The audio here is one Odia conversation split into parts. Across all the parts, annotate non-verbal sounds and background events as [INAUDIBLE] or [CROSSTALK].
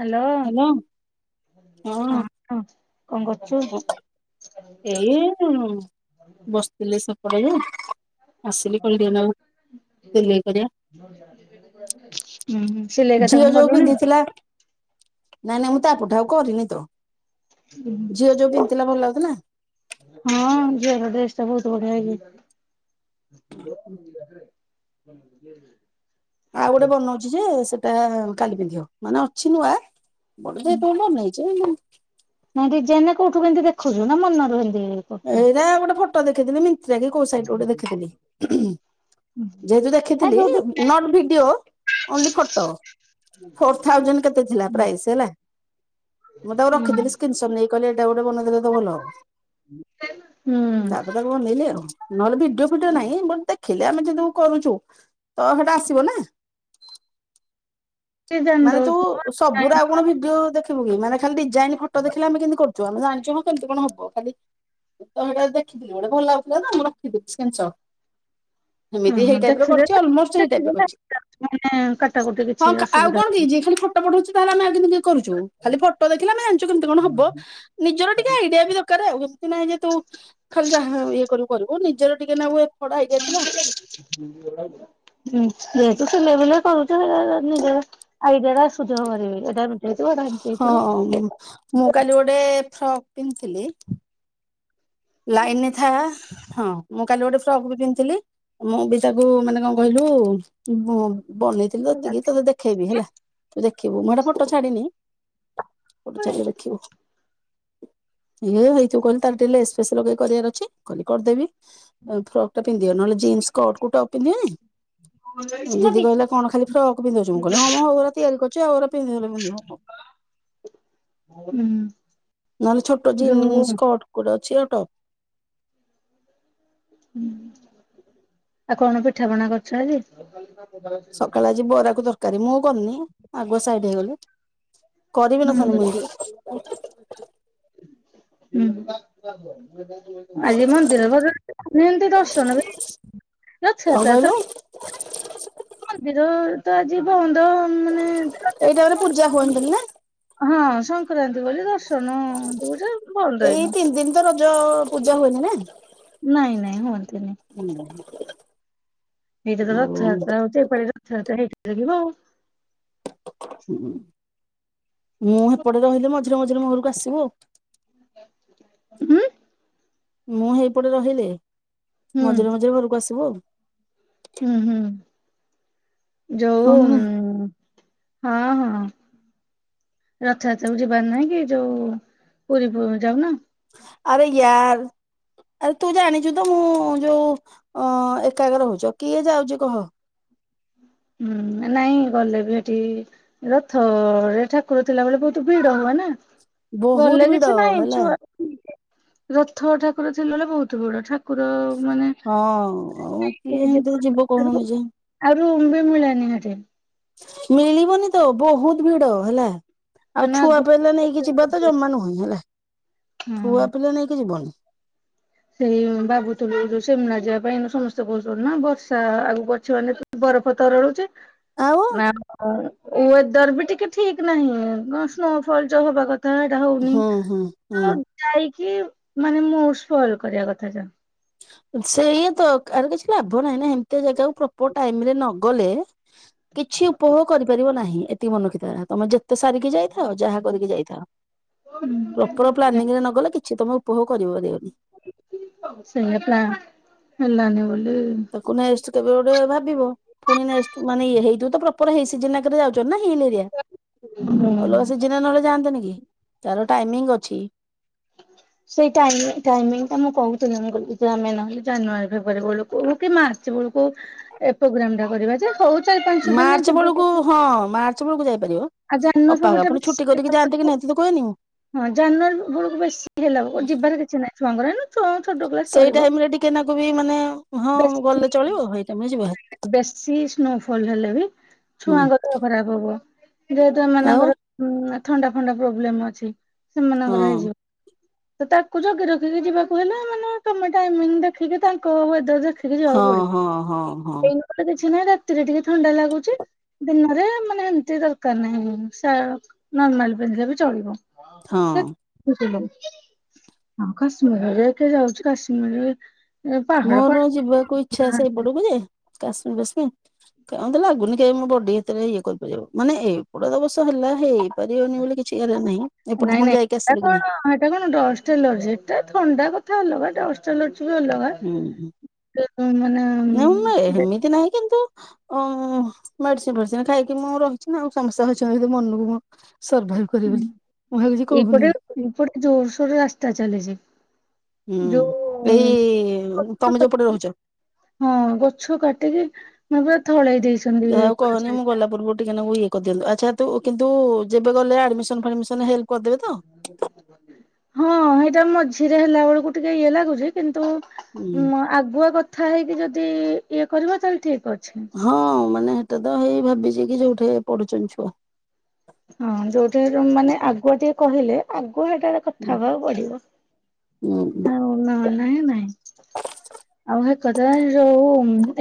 ହାଲୋ ହ୍ୟାଲୋ ହଁ ହ କଣ କରୁଚୁ। ହଁ, ଏଇ ବସିଥିଲି ସେପଟକୁ ଆସିଲି କଣ ଟିକେ ନାଗରୁ ସିଲେଇ କରିବା। ହୁଁ ହୁଁ। ସିଲେଇ କେତେ ଝିଅ କଣ ଯୋଉ କଲୁଣି? ପିନ୍ଧିଥିଲା ନାଇଁ ନାଇଁ ମୁଁ ତାପଠୁ ଆଉ କରିନିତ ଝିଅ ଯୋଉ ପିନ୍ଧିଥିଲା ଭଲ ଲାଗୁଥିଲା? ହଁ ଝିଅର ଡ୍ରେସଟା ବହୁତ୍ ବଢ଼ିଆ ହେଇଚି। [UNINTELLIGIBLE] ଆଉ ଗୋଟେ ବନଉଚିଯେ ସେଟା କାଲି ପିନ୍ଧିବ ମାନେ ଅଛି ନୂଆ ବଡ଼ [UNINTELLIGIBLE] [UNINTELLIGIBLE] ନାଇଁ ଡିଜାଇନ୍ କୋଉଠୁ କେମିତି ଦେଖୁଚୁ ନାମନରୁ ହେମିତି ଏଇରା ଗୋଟେ ଫଟୋ ଦେଖିଥିଲି ମିନ୍ତାକି କୋଉ ସାଇଟିରୁ ଗୋଟେ ଦେଖିଥିଲି। ଯେହେତୁ ନାଇଁ ଦେଖିଥିଲି ଯୋଉଠି not video only photo four thousand କେତେ ଥିଲା ପ୍ରାଇସ୍ ହେଲା ମୁଁ ତାକୁ ରଖିଥିଲି ସ୍କ୍ରିନ୍ ସଟ୍ ନେଇ କହିଲ ଏଇଟା ଗୋଟେ ବନେଇଦେଲେତ ଭଲ ହବ। ତାପରେ ହୁଁ। ତାକୁ ବନେଇଲି ଆଉ ନହେଲେ ଭିଡିଓ ଫିଡିଓ ନାହିଁ ବଟ୍ ଦେ ଖିଲେ ଆମେ ଯଦି କରୁଚୁ ତହେଟା ଆସିବନା। ଡିଜାଇନ ମାନେ ତୁ ଦଉଛୁ ସବୁର ଆଉ କଣ ଭି ଭିଡିଓ ଦେଖିବୁକି ମାନ ଖାଲି ଡିଜାଇନ୍ ଫଟୋ ଦେଖିଲେ ଆମେ କେମତି କରୁଚୁ ଆମେ ଜାଣିଚୁ କେମିତି କଣ ହବ ଖାଲି ତମେଟା ଦେଖିଥିଲି ଗୋଟେ ଭଲ ଲାଗୁଥିଲା ନା ମୁଁ ରଖିଦଉଛି ଚ୍ଛେଞ୍ଚ। ଏମିତି ହେ ଓହୋ ଟାଇପରେ କର୍ଚି ଦେଖିଦେଲେ ଅଲ ମୋଷ୍ଟ ସେଇ ଟାଇପର ଦେଖିଦେଲେ କରିଚି ମାନେ କାଟାକୁଟି କିଛି ହଁ କା ଆଉ ଅସୁବିଧା କଣ କି ଯି ଖାଲି ଫଟୋ ପଠଉଛି ତାହଲେ ଆମେ [UNINTELLIGIBLE] କରଛୁ ଖାଲି ଫଟୋ ଦେଖେଲେ ଆମେ ଜାଣିଚୁ କେମିତି କଣ ହବ। ନିଜର ଟିକେ ଆଇଡିଆ ବି ଦର କାରେ ଆଉ ଏମିତି ନାଇଁ ଯେ ତୁ ଖାଲି ଯାହା ଇଏ କରିବୁ କରିବୁ ନିଜର ଟିକେ ନାଉ ଏ ଫଡା ଆଇଡିଆ ଥିଲା। [INAUDIBLE] [UNINTELLIGIBLE] ହଁ ଏଇଟା ମୁଁ କାଲି ଗୋଟେ ଫ୍ରକ୍ ପିନ୍ଧିଥିଲି ଲାଇନ ରେ ଥା ହଁ ମୁଁ କାଲି ଗୋଟେ ଫ୍ରକ୍ ବି ପିନ୍ଧଥିଲି। ମୁଁ ବି ତାକୁ ମାନେ କଂ କହିଲୁ ବନେଇଥିଲି ଏମିତି [UNINTELLIGIBLE] ଦେଖେଇବି ହେଲା ତୁ ଦେଖିବୁ ମୁଁ ଏଟା ଫଟୋ ଛାଡିନି ଫଟ ଛାଡିଲେ ଦେଖିବୁ। [UNINTELLIGIBLE] ଲେସ୍ ଲଗେଇ କରିବାର ଅଛି କଲି କରିଦେବି ଆ ଫ୍ରକ୍ ଟା ପିନ୍ଧିବ ନହେଲେ ଜିନ୍ସ କଟ୍ କୁ ଟପ୍ ପିନ୍ଧିବେନି ମୋ ଦିଦି ହେଇଥିବ। କହିଲା କଣ ଖାଲି ଫ୍ରକ ପିନ୍ଧଉଛି ମୁଁ କହିଲି ହଁ ମୁଁ ଏଇଭଳିଆ ତିଆରି କରୁଚି ଆଉ ଏରା ପିିନ୍ଧିବ ନ ପିନ୍ଧିବ। ହୁଁ। ନହେଲେ ଛୋଟ ଯୋଉ ଜିନ୍ସ କଟ ଗୋଟେ ଅଛି ଆଉ ଟପ୍ ହୁଁ ଆଉ କଣ ପିଠାପଣା କରୁଚ ଆଜି। ସକାଳେ ଆଜି ବରାକୁ ଦରକାରୀ ମୁଁ କରିନେଇ। ଆଗୁଆ ସାଇଡ ହେଇଗଲେ କରିବି ହୁଁ ନଥାନ୍ତି ମୁଁ ହୁଁ। [UNINTELLIGIBLE] [INAUDIBLE] ଆଜି ମନ୍ଦିର [INAUDIBLE] ଇମିତି ଦର୍ଶନ [UNINTELLIGIBLE] ଆଛା କଣ ଆଛା କହିଲୁ ଆଛା। ମନ୍ଦିର ତ ଆଜି ବଅନ୍ଦ ଏଇ ଟାଇମ୍ ରେ ପୂଜା ହୁଅନ୍ତିନି ନା ହଁ ସଂକ୍ରାନ୍ତି ବୋଲି ଦର୍ଶନ ଦୁଉଜ ବନ୍ଦ ଏଇ ହେଇନ ତିନି ଦିନ ତ ରଜ ପୂଜା ହୁଏନି ନା। ନାଇଁ ନାଇଁ ହୁଅନ୍ତିନି। ହୁଁ। ଏଇଟା ତ ରଥଯାତ୍ରା ହଉଚି ଏଇପାଳି ରଥଯାତ୍ରା ହେ ଏଠେ ଦେଖିବ ଆଉ। ମୁଁ ହେପଟେ ରହିଲେ ମଝିରେ ମଝିରେ ମୋ ଘରକୁ ଆସିବୁ ଆଉ। ହୁଁ। ମୁଁ ହେଇପଟେ ରହିଲେ ମଝିରେ ମଝିରେ ଘରକୁ ଆସିବୁ ଆଉ। ହୁଁ ହୁଁ ହଁ ଯୋଉ ନା ନାଇଁ ହଁ ହଁ। ରଥଯାତ୍ରାକୁୁ ଯିବାର ନାହିଁ କି ଯୋଉ ପୁରୀ ପ ଯାଉନ? ଆରେ ୟାର୍ ଆରେ ତୁ ଜାଣିଛୁ ତ ମୁଁ ଯୋଉ ଅ ଏକା ଏକା ରହୁଚ କିଏ ଯାଉଚି କହ। ହୁଁ ନାଇଁ ଗଲେ ବି ହେଠିଇ ରଥରେ ଠାକୁର ଥିଲାବେଳେ ବହୁତ ଭିଡ ହୁଏ ନା। ବହୁତ ଗଲେ ଭିଡ କିଛି ନହିଁ ହେଲା ଛୁଆ ରଥ ଠାକୁର ଥିଲା ବେଳେ ବହୁତ ଭିଡ ଠା ଠାକୁର ମାନେ ହଁ କିଏ ଏମିତି ଯିବ କହୁନୁ ନିଜେ [UNINTELLIGIBLE] ଆଉ ରୁମ୍ ବି ମିଳେନି ହେଠି। ମିଳିବନି ତ ବହୁତ ଭିଡ ହେଲା। ଆଉ କାହିଁକିନା ଛୁଆ ପିଲା ନେଇକି ଯିବା ତ ଆଗୁଆ ଜମା ନୁହେଁ ହେଲା ହଁ ଛୁଆ ପିଲା ନେଇକି ଯିବନି। ସେଇ ଭାବୁଥୁଲୁ ଯୋଉ ସେମିନାର ଯିବା ପାଇଁ ସମସ୍ତେ କହୁଛନ୍ତି ନା ବର୍ଷା ଆଗକୁ ଅଛି ମାନେ ବରଫ ତରଳୁଛି ଆଉ ନା [INAUDIBLE] ୱେଦର ବି ଟିକେ ଠିକ ନାହିଁ, କଣ ସ୍ନୋଫଲ ଯୋ ହବା କଥା ତ ଏଟା ହଉନି। ହୁଁ ହୁଁ ହୁଁ ତ ଯାଇକି ମାନେ ମୁଡ଼ ସ୍ପଏଲ କରିବା କଥା। ସେଇଆ ତ, ଆରେ କିଛି ଲାଭ ନାହିଁ ନା ଏମିତିଆ ଜାଗାକୁ ପ୍ରପର ଟାଇମରେ ନଗଲେ। [INAUDIBLE] କିଛି ଉପଭୋଗ କରିପାରିବ ନାହିଁ। ଏତିକି ମନେ ରଖିଥା ତମେ ଯେତେ ସାରିକି ଯାଇ ଥାଅ ଯାହା କରିକି ଯାଇ ଥାଅ। ପ୍ରପର ପ୍ଲାନିଂ ରେ ନଗଲେ କିଛି ତମେ ଉପଭୋଗ କରିପାରିବନି। ସେୟା ପ୍ଲା ହେଲାନି ବୋଲି ତାକୁ ନେକ୍ସଟ କେବେ ଗୋଟେ ଭାବିବ। ପୁଣି ନେକ୍ସଟ ମାନେ ଇଏ ହେଇଯିବ ତ ପ୍ରପର ହେଇ ସିଜିନ ରାକରେ ଯାଉଛ [UNINTELLIGIBLE] ହିଲ ଏରିଆ। ହୁଁ। ଅଲଗା ସିଜିନରେ ନହେଲେ ଯାଆନ୍ତେନି କି, ତାର ଟାଇମିଙ୍ଗ ଅଛି। ସେଇ ଟାଇମିଙ୍ଗ ଟାଇମିଙ୍ଗ ଟା ମୁଁ କହୁଥିଲି ଆମେ ନହେଲେ ଜାନୁଆରୀ, ଫେବୃୟାରୀ ବେଳକୁ ହଉ କି ମାର୍ଚ୍ଚ ବେଳକୁ ଏ ପ୍ରୋଗ୍ରାମ ଟା କରିବା ଯେ ହଉଛି ମାର୍ଚ୍ଚ ବେଳକୁ ହଁ ମାର୍ଚ୍ଚ ବେଳକୁ ଯାଇପାରିବ। ଆଉ ଜାନୁଆରୀ ଅପା ହେକା ଫେବୃଆରୀ ପୁଣି ଛୁଟି ବେଶୀ କରିକି ଯାଆନ୍ତି କି ନାହିଁ ତତେ କୁହେନି ମୁଁ। ହଁ ଜାନୁଆରୀ ବେଳକୁ ବେଶୀ ହେଲା ଯିବାର କିଛି ନାହିଁ। ଛୁଆଙ୍କର ଏଇନା ଛୋଟ କ୍ଲାସ ସେଇ ଚଳିବ। ଟାଇମ ରେ ଟିକେ ନାଁ କୁ ବି ମାନେ ହଁ ବେଶୀ ଗଲେ ଚଳିବ ହେଇ ଟାଇମ୍ ରେ ଯିବ ଭାରି। ବେଶୀ ସ୍ନୋ ଫଲ ହେଲେ ବି ହୁଁ ଛୁଆଙ୍କ ଖରାପ ହବ। ଯେହେତୁ ଆଉ ଏମାନଙ୍କର ହୁଁ ଥଣ୍ଡା ଫଣ୍ଡା ପ୍ରୋବ୍ଲେମ ଅଛି ହଁ ସେମାନଙ୍କର ହେଇଯିବ। ତ ତାକୁ ଜଗି ରଖିକି ଯିବାକୁ ହେଲେ, ମାନେ ତମେ ଟାଇମିଙ୍ଗ ଦେଖିକି ତାଙ୍କ ୱେଦର୍ ରେ ଦେଖିକି ଯିବାକୁ ହଁ ହଁ ହଁ ହଁ ପଡିବ। ଏଇନିକା ତ କିଛି ନାହିଁ ରାତିରେ ଟିକେ ଥଣ୍ଡା ଲାଗୁଛି। ଦିନରେ ମାନେ ଏମତି ଦରକାର ନାହିଁ ସା ନର୍ମାଲ ପିନ୍ଧିଲେ ବି ଚଳିବ। ହଁ। ବୁଝିଲୁ? ହଁ, କାଶ୍ମୀରରେ କିଏ ଯାଉଛି କାଶ୍ମୀର ରେ ମୋର ଯିବାକୁ ଇଚ୍ଛା ସେଇ ଏପଟକୁ ଯେ କାଶ୍ମୀର ଫାସମୀର କାଇଁ ମତେ ଲାଗୁନି କେ ମୋ ବଡି ଏତେ ଇଏ କରିପାରିବ। ମାନେ ଏଗୁଡା ଅବଶ୍ୟ ହେଲା ହେଇ ପାରିବନି ବୋଲି କିଛି ହେଲା ନାହିଁ ଏପଟେ ତ ପୁଣି ଯାଇକି ଆସିଲୁ କି ନାଇଁ? ହଁ ହେଟା କଣ ଡଷ୍ଟ ଡଷ୍ଟଏଲର୍ଜି। ଏଟା ଥଣ୍ଡା କଥା ଅଲଗା ଡଷ୍ଟ ଏଲର୍ଜି ବି ଅଲଗା ହୁଁ। ତ ମାନେ ନାଇଁ ଦେ- ହେମିତି ନାହିଁ କିନ୍ତୁ ଓ ହଁ ମେଡିସିନ ଫେଡିସିନ ଖାଇକି ମୁଁ ରହିଛି ନା ଆଉ ସମସ୍ତେ ଭାବୁଛନ୍ତି ମନକୁ ମୁ ସର୍ଭାଇଭ କରି ଗଲି ମୁଁ ହେରା କିଛି କହୁନି। ଏପଟେ ଜୋରସୋର ରେ ରାସ୍ତା ଚାଲିଚି। ହୁଁ, ଏଇ ଗଛ ତମେ କା- ଯଉ ପଟେ ରହୁଚ? ହଁ, ଗଛ କାଟିକି ମାନେ ପୁରା ଥଳେଇ ଦେଇଛ ଯାହା ହଉ କହନି ମୁଁ ଗଲା ପୁର୍ବରୁ ଟିକେ ନାଗୁ ଇଏ କରି ଦିଅନ୍ତୁ। ଆଚ୍ଛା ତୁ କିନ୍ତୁ ଯେବେ ଗଲେ ଆଡମିସନ ଫାଡମିସନ ହେଲ୍ପ କରିଦେବେ ତ? [UNINTELLIGIBLE] ହଁ, ହେଇଟା ମଝିରେ ହେଲା ବେଳକୁ ଟିକେ ଇଏ ଲାଗୁଛି। କିନ୍ତୁ ଆଗୁଆ କଥା ହେଇକି ଯଦି ଇଏ କରିବ ତାହେଲେ ଠିକ୍ ଅଛି। ହଁ ମାନେ ହେଟା ତ ହେଇ ଭାବିଛି କି ଯୋଉଠି ପଢୁଛନ୍ତି ଛୁଆ। ହଁ ଯୋଉଠି ହେଲେ ମାନେ ଆଗୁଆ ଟିକେ କହିଲେ, ଆଗୁଆ ହେଟା ରେ କଥା ହବାକୁ ପଡିବ। ହୁଁ। ଆଉ ନହେଲେ ନାଇଁ ନାଇଁ। ଆଉ ହେ କଥା ଯଉ,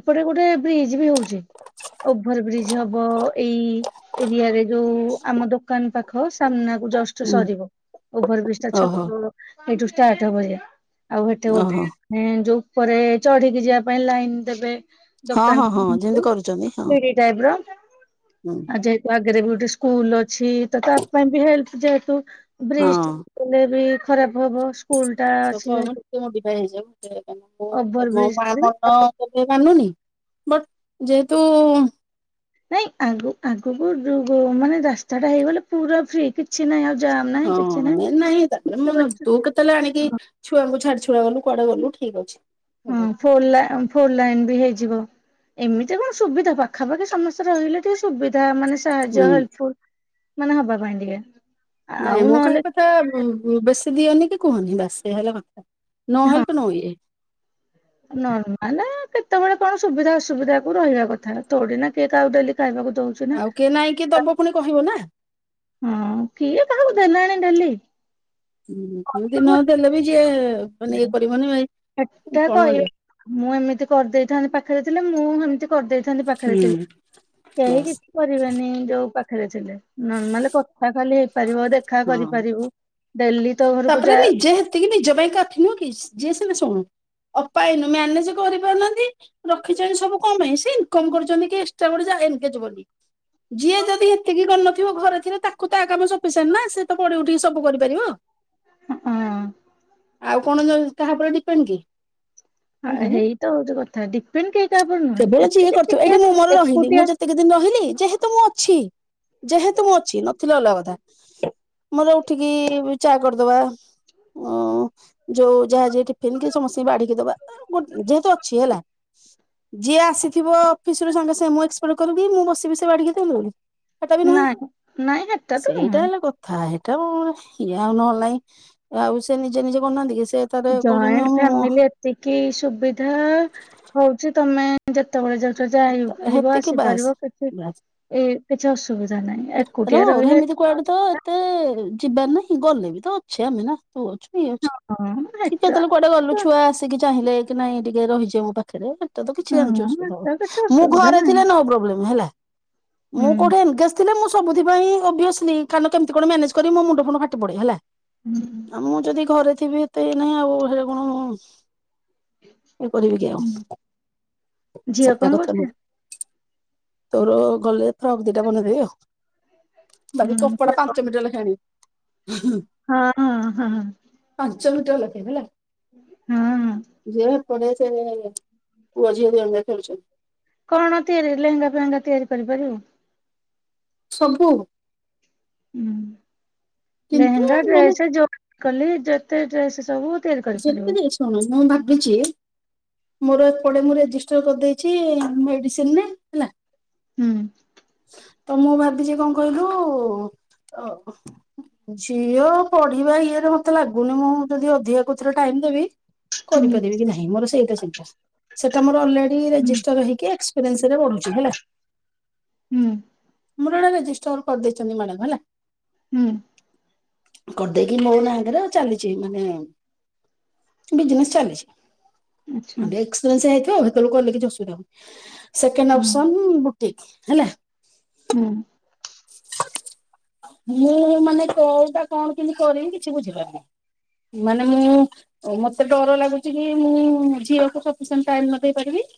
ଏପଟେ ଗୋଟେ ବ୍ରିଜ ବି ହଉଛି। ଓଭର ବ୍ରିଜ୍ ହବ ଏଇ ଏରିଆରେ, ଯୋଉ ଆମ ଦୋକାନ ପାଖ ସାମ୍ନାକୁ ଜଷ୍ଟ୍। ସ ହୁଁ ସରିବ ଓଭର ବ୍ରିଜ୍ ଟା ଓହୋ ଛକ ଏଇଠୁ ଷ୍ଟାର୍ଟ ହବ ଯେଏ ଆଉ ହେଠୁ ଗୋଟେ। ଓହୋ ହୁଁ ଯୋଉ ଉପରେ ଚଢିକି ଯିବା ପାଇଁ ଲାଇନ୍ ଦେବେ। ହଁ ହଁ ହଁ ଯେମିତି ଦୋକାନ କରୁଛନ୍ତି ହଁ ବିରି ଟାଇପ୍ ର ଆ ଯେହେତୁ ଆଗରେ ବି ଗୋଟେ ସ୍କୁଲ ଅଛି ତ ତା ପାଇଁ ବି ହେଲ୍ପ ଯେହେତୁ ହଁ। ବ୍ରିଜ୍ କଲେ ବି ଖରାପ୍ ହବ। ସ୍କୁଲ ଟା ଅଛି ସୋକ ହବନି ଯେହେତୁ ଟିକେ ମୋ ଡିଫାଏ ହେଇଯାଉ କଁ ମୁଁ ଓଭର ମୋ ବ୍ରିଜ ମା କରିବେ ମନ। କେବେ ମନୁନି ବଟ୍ ଯେହେତୁ ନାଇଁ ଆଗ ଆଗକୁ ଯୋ ମାନେ ରାସ୍ତା ଟା ହେଇଗଲେ ପୁରା ଫ୍ରି। କିଛି ନାଇଁ ଆଉ ଯାମ୍ ନାହିଁ। ହଁ କିଛି ନାହିଁ। ନାଇଁ ନାଇଁ ତାପରେ ମୁଁ ତୁ କେତେ ତାହେଲେ ଆଣିକି ଛୁଆଙ୍କୁ ଛାଡି ଛୁଡ଼ା ଗଲୁ କୁଆଡେ ଗଲୁ ଠିକ୍ ଅଛି ହଁ। ଫୋର ଲା ଫୋର ଲାଇନ୍ ବି ହେଇଯିବ। ଏମିତି କଣ ସୁବିଧା ପାଖାପାଖି ସମସ୍ତେ ରହିଲେ ଟିକେ ସୁବିଧା ମାନେ ସାହାଯ୍ୟ ହୁଁ ହେଲ୍ଫ ଫୁଲ ମାନେ ହବା ପାଇଁ ଟିକେ। ନାଇଁ ଆଉ ମୋ ନହେଲେ କହିବା କଥା ବେଶୀ ଦିଅନି କି କୁହନି ବାସ ଏଇଆ ହେଲା କଥା। ନୋ ହେଲ୍ପ ନୋ ଇଏ। ନର ମାନେ କେତେବେଳେ କଣ ସୁବିଧା ଅସୁବିଧା କୁ ରହିବା କଥା ତୋଡି ନା କିଏ କାହାକୁ ଡେଲି ଖାଇବାକୁ ଦଉଚି। ଆଉ କିଏ ନାଇଁକି କିଏ ଦବ ପୁଣି କହିବ ନା। ହଁ କିଏ କାହାକୁ ଦେଲାଣି ଡେଲି। ହୁଁ ଦିନ ଅଧେ ଦେଲେ ବି ଯିଏ ମାନେ ଇଏ କରିବନି ଭାଇ। ହେଟା କଣ ମିଳିବ କହିବେ ମୁଁ ଏମିତି କରିଦେଇଥାନ୍ତି ପାଖରେ ଥିଲେ ମୁଁ ଏମିତି କରଦେଇ ଥାନ୍ତି ପାଖରେ ହୁଁ ଥିଲେ କେହି ବାସ୍ କି କରିବେନି ଯୋଉ ପାଖରେ ଥିଲେ ନର୍ମାଲି କଥା ଖାଲି ହେଇପାରିବ ଦେ ଦେଖା ହଁ। କରିପାରିବୁ ଡେଲି ତ ଘରକୁ ଯା ଏତିକି ନିଜ ପାଇଁ କାଫି ନୁହ କି ଯିଏ ସିନା ଶୁଣୁ ଅପା ଇନୁ ମ୍ୟାନେଜେ କରିପାରୁନାହାନ୍ତି। ରଖିଚନ୍ତି ସବୁ ଙ୍କ ପାଇଁ ସେ ଇନକମ କରୁଚନ୍ତି ଏକ୍ସଟ୍ରା ଗୋଟେ ଯା ଏନ୍ ଗେଜ୍ ବୋଲି। ଯିଏ ଯଦି ହେତିକି କରିନଥିବ ଘରେଥିରେ ତାକୁ ତା କାମ ସଫିସେଣ୍ଟ୍। ତେ ନା ସେ ତ ପଡ଼ି ଉଠିକି ସବୁ କରିପାରିବ ହଁ ଆଉ କଣ ଦବ କାହା ଉପରେ ଡିପେଣ୍ଟ୍ କି? ଆ ନୁହେଁ ନା ହେଇତ ହଉଚି କଥା ଡିପେଣ୍ଡ କେହି କାହା ଉପରେ ନୁହେଁ ଏତିକି ଟିକେ ଏକୁଟିଆ ଏତିକି ଦିନ୍ ରହିଲି ଯେହେତୁ ମୁଁ ଅଛି ଯେହେତୁ ମୁଁ ଅଛି ନଥିଲେ ଅଲଗା କଥା। ମୋର ଉଠିକି ବୁ ଚା କରିଦବା ଓଉଁ ଯୋଉ ଯାହା ଯେ ଟିଫିନ୍ କି ସମସ୍ତେ ବାଢିକି ଦବା ଅ ଗୋ ଯେହେତୁ ଅଛି ହେଲା। ଯିଏ ଆସିଥିବ ଅଫିସ ରୁ ସାଙ୍ଗେ ସାଙ୍ଗେ ମୁଁ ଏକ୍ସପେକ୍ଟ କରିବି ମୁଁ ବସିବି ସେ ବାଡିକି ଦିଅନ୍ତୁ ବୋଲି ସେଟା ବି ନୁହେଁ ନାଇଁ ନାଇଁ ହେଟା ତ ସେଇଟା ନୁହେଁ। ହେଲା କଥା ହେଟା ଇଏ ଆଉ ନହେଲା ନାଇଁ ଆଉ ସେ ନିଜେ ନିଜେ କରୁନାହାନ୍ତି କି ସେ ତାରେ କହୁଛନ୍ତି ହଁ ଯଏଣ୍ଟ ମୁଁ ଫ୍ୟାମିଲି ଏତିକି ସୁବିଧା ହଉଚି ତମେ ଯେତେବେଳେ ଯଉଟା ଯାଇପାରିବ ହେତିକି ବାସ୍ ଆସିପାରିବ କିଛି ବାସ୍ ଏଇ କିଛି ଅସୁବିଧା ନାହିଁ ଏକୁଟିଆ ରହିଲେ ତେ ଯିବାର୍ ନାହିଁ ଗଲେ ବି ତ ଛେ ଆମେ ନା ତୁ ଅଛୁ ଇଏ ଅଛି ହଁ ଠି ହେଟା କେତେଲ କୁଆଡେ ଗଲୁ ଛୁ ଛୁଆ ଆସିକି ଚାହିଁଲେ କି ନାଇଁ ଟିକେ ରହିଯିଅ ମୋ ପାଖେରେ ଏଟା ତ କିଛି ଆଞ୍ଜି ହଁ ଅସୁବିଧା ହେଟା ହବନି। କିଛି ମୁଁ ଅସୁବିଧା ଘରେ ନାହିଁ। ଥିଲେ ନୋ ପ୍ରୋବ୍ଲେମ୍ ହେଲା ହୁଁ ମୁଁ କୋଠେ ଏଙ୍ଗେଜ୍ ଥିଲେ ମୁଁ ସବୁଥି ପାଇଁ ଓବିଓସ୍ଲି କାରନ କେମତି କଣ ମ୍ୟାନେଜ୍ କରି ମୋ ମୁଣ୍ଡ ଫୁଣ୍ଡ ଫାଟି ପଡେଇ ହେଲା। ହୁଁ। ମୁଁ ଯଦି ଘରେ ଥିବି ଏତେ ଇଏ ନାହିଁ ଆଉ ହେରା କଣ। ଏ କରିବି କି ହୁଁ ଆଉ। ଝିଅ ସେଟା କଣ କଥା କରୁଛି? ନୁହଁ। ତୋର ଗଲେ ଫ୍ରକ୍ ଦିଟା ବନେଇଦେବି ଆଉ। ବାକି ହୁଁ କପଡ଼ା ଝିଅ କଣ ପାଞ୍ଚ ମିିଟର ଲେଖା ଆଣିବି। ହଁ ହଁ ହଁ ହଁ। ପାଞ୍ଚ ମିଟର ଲାଖେ ହେଲା। ହଁ ହଁ ଯେ ପଡିଆ ସେଲରେ ପୁଅ ଝିଅ ଦିଜଣ ଯାକ ଖେଳୁଛନ୍ତି। କଣ ତିଆରି ଲେହେଙ୍ଗା ଫେହେଙ୍ଗା ତିଆରି କରିପାରିବୁ? ସବୁ। ହୁଁ କିନ୍ତୁ ଲେହେଙ୍ଗା ମାନେ ଡ୍ରେସେ ଯୋଉ କଲି ଯେତେ ଡ୍ରେସ୍ ସବୁ। ତିଆରି କରିପାରିବୁ। ଯେମିତି ଶୁଣ ମୁଁ ଭାବିଛି। ମୋର ଏପଡେ ମୁଁ ରେଜିଷ୍ଟର କରିଦେଇଛି ମେଡିସିନରେ ହେଲା। ହୁଁ। ତ ମୁଁ ଭାବିଛି କଣ କହିଲୁ ଅ ଝିଅ ପଢିବା ଇଏରେ ମତେ ଲାଗୁନି ମୁଁ ଯଦି ଅଧିକା କୋଉଥିରେ ଟାଇମ୍ ଦେବି ହୁଁ କରିପାରିବି କି ନାହିଁ ମୋର ସେଇଟା ଚିନ୍ତା। ସେଟା ମୋର ଅଲରେଡି ହୁଁ ରେଜିଷ୍ଟର ହେକି ଏକ୍ସପିରିଏନ୍ସ ରେ ବଢୁଛି ହେଲା। ହୁଁ ମୋର ଏଟା ରେଜିଷ୍ଟର କରିଦେଇଛନ୍ତି ମାଡାମ୍ ହେଲା। ହୁଁ କରିଦେଇକି ମୋ ନାକୀରେ ନା ଚାଲିଛି ମାନେ। ବିଜନେସ୍ ଚାଲିଛି। ଆଚ୍ଛା ଆଡେ ଏକ୍ସପେନ୍ସ ହେଇଥିବ ହେତେବେଲକୁ କଲେ କିଛି ଅସୁବିଧା ହବନି ସେକେଣ୍ଡ ହୁଁ। ଅପ୍ସନ୍ ବୁ ଟିକ୍ ହେଲା। ହୁଁ। ମୁଁ ମାନେ କଉଟା କଣ କେମି କରିବି କିଛି ବୁଝିପାରୁନି। ମାନେ ମୁଁ। ଓ ମତେ ଡର ଲାଗୁଛି କି ମୁଁ ଝିଅକୁ ସପିସେଣ୍ଟ ଟାଇମ୍ ନ ଦେଇ ପାରିବି।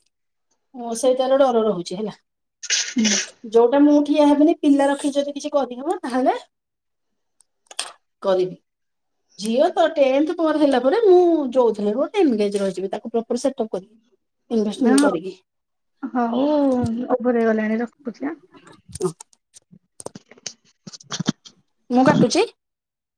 ମୁଁ ସେଇଟାର ଡର ରହୁଛି ହେଲା। ହୁଁ। ଯୋଉଟା ମୁଁ ଠିଆ ହେବିନି ପିଲା ରଖି ଯଦି କିଛି କରିହେବ ତାହେଲେ। କରିବି। ଝିଅ ତ ଅଟେ ଏମିତି କୁଆଁରୀ ହେଲା ପରେ ମୁଁ ଯୋଉ ଥିଲେ ଗୋଟେ ଏନଷ୍ଟ ରହିଯିବି ତାକୁ ପ୍ରପର ସେଟପ୍ କରିକି ଇନଭେଷ୍ଟମେଣ୍ଟ କରିକି। ହୋଉ ଓଭର ହେଇ ଗଲାଣି ରଖୁଛି। ଆଁ। ହଁ। ମୁଁ କାଟୁଚି।